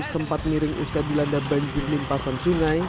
sempat miring usai dilanda banjir limpasan sungai